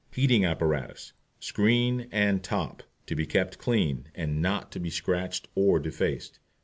HEATING APPARATUS, SCREEN AND TOP. To be kept clean, and not to be scratched or defaced.